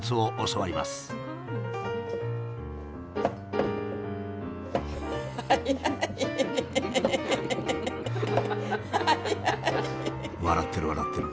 笑ってる笑ってる。